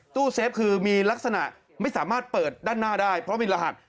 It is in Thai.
ตู้เซฟคือมีลักษณะไม่สามารถเปิดด้านหน้าได้เพราะมีรหัส